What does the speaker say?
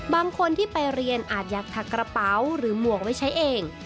บางคนที่ไปเรียนอาจอยากถักกระเป๋าหรือหมวกไว้ใช้เอง